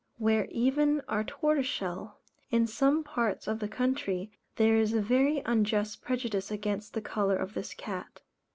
Where even our tortoise shell? In some parts of the country, there is a very unjust prejudice against the colour of this cat.